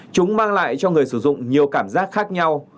chúng mang lại cho người sử dụng nhiều cảm giác khác nhau